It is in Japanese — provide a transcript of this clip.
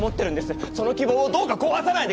その希望をどうか壊さないでください！